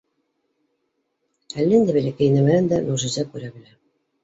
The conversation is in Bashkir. Әллә ниндәй бәләкәй нәмәнән дә мөғжизә күрә белә.